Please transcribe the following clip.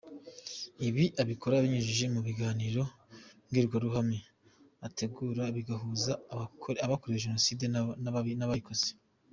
Ibi abikora abinyujije mu biganiro mbwirwaruhame ategura bigahuza abakorewe Jenoside n’abayikoze.